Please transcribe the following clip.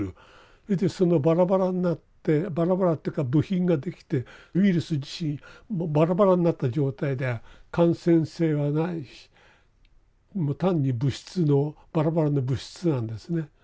それでそのバラバラになってバラバラっていうか部品ができてウイルス自身バラバラになった状態で感染性はない単に物質のバラバラの物質なんですね。